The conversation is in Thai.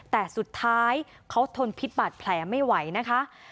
แต่สุดท้ายเขาทนพิษบาดแผลไม่ไหวนะคะ